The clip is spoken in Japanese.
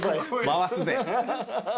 回すぜ。